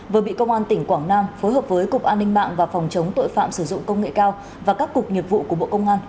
vừa bị công an tỉnh quảng nam phối hợp với cục an ninh mạng và phòng chống tội phạm sử dụng công nghệ cao và các cục nghiệp vụ của bộ công an